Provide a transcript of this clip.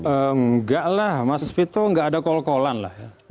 enggak lah mas fitro nggak ada call call an lah